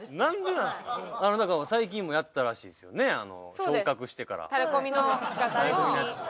なんか最近もやったらしいですよね昇格してから。